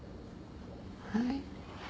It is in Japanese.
はい。